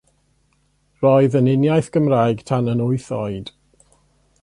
Roedd yn uniaith Gymraeg tan yn wyth oed.